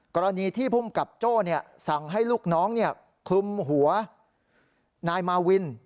กรณีที่ภูมิกับโจ้สั่งให้ลูกน้องคลุมหัวนายมาวิน